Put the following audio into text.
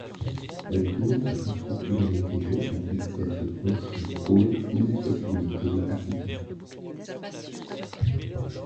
Elle présente la particularité géographique d'être proche du pôle d'inaccessibilité africain.